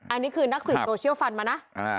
อันนี้คือนักสืบโซเชียลฟันมานะ